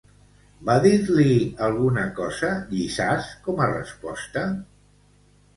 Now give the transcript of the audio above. Va dir-li alguna cosa Llissàs com a resposta?